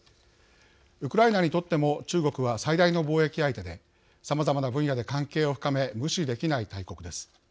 ウクライナにとっても中国は最大の貿易相手でさまざまな分野で関係を深め無視できない大国です。